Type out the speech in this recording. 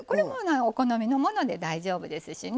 お好みのもので大丈夫です。